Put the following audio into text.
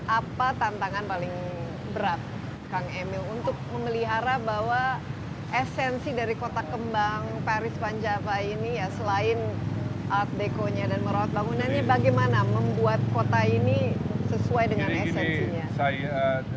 apa tantangan paling berat kang emil untuk memelihara bahwa esensi dari kota kembang paris van java ini ya selain art deco nya dan merawat bangunannya bagaimana membuat kota ini sesuai dengan esensinya